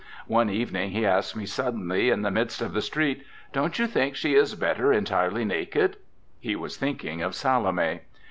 One evening he asked me suddenly, in the midst of the street, "Don't you think she is better en tirely naked? " He was thinking of Salome.